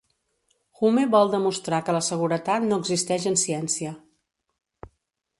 Hume vol demostrar que la seguretat no existeix en ciència.